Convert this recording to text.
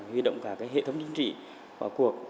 huy động cả hệ thống chính trị vào cuộc